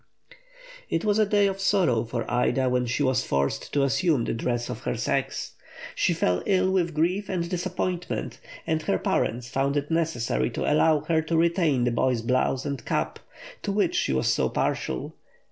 It was a day of sorrow for Ida when she was forced to assume the dress of her sex. She fell ill with grief and disappointment, and her parents found it necessary to allow her to retain the boy's blouse and cap, to which she was so partial.